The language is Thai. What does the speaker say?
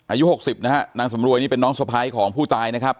อายุ๖๐นะฮะนางสำรวยนี่เป็นน้องสะพ้ายของผู้ตายนะครับ